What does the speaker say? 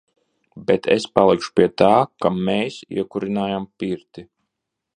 Bet es palikšu pie tā, ka "mēs" iekurinājām pirti.